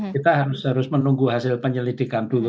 kita harus menunggu hasil penyelidikan dulu